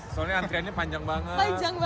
soalnya antriannya panjang banget